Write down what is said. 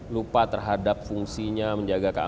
lupa terhadap fungsinya menjaga keamanan